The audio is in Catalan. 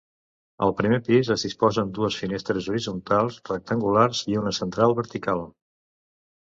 Al primer pis es disposen dues finestres horitzontals rectangulars i una central vertical.